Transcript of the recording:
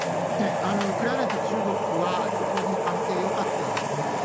ウクライナと中国は非常に関係よかったんですね。